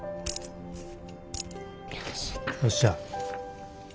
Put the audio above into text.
よっしゃ。